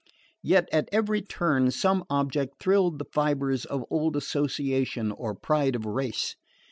Yet at every turn some object thrilled the fibres of old association or pride of race.